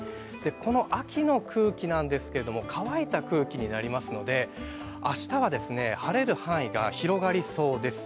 この秋の空気ですけれども乾いた空気になりますので、明日は晴れる範囲が広がりそうです。